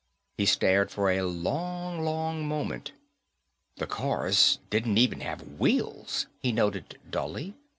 He stared for a long, long moment. The cars didn't even have wheels, he noted dully.